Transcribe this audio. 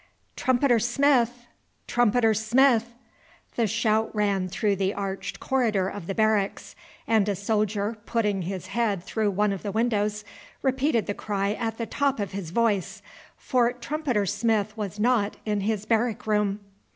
"Trumpeter Smith! Trumpeter Smith!" The shout ran through the arched corridor of the barracks, and a soldier putting his head through one of the windows repeated the cry at the top of his voice, for Trumpeter Smith was not in his barrack room.